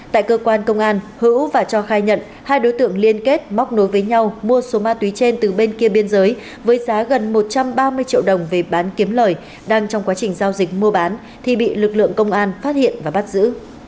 tại cơ quan công an hữu và cho khai nhận hai đối tượng liên kết móc nối với nhau mua số ma túy trên từ bên kia biên giới với giá gần một trăm ba mươi triệu đồng về bán kiếm lời đang trong quá trình giao dịch mua bán thì bị lực lượng công an phát hiện và bắt giữ